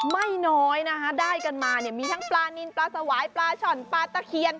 ไม่น้อยนะคะได้กันมาเนี่ยมีทั้งปลานินปลาสวายปลาช่อนปลาตะเคียน